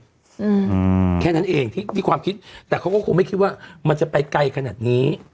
อืมแค่นั้นเองที่มีความคิดแต่เขาก็คงไม่คิดว่ามันจะไปไกลขนาดนี้